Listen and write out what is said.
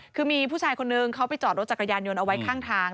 คือมีผู้ชายคนนึงเขาไปจอดรถจักรยานยนต์เอาไว้ข้างทาง